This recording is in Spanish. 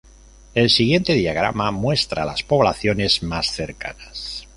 El siguiente diagrama muestra las poblaciones más cercanas.